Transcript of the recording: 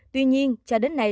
tuy nhiên cho đến nay